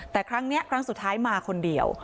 แต่ครั้งนี้ครั้งสุดท้ายมาคนเดียว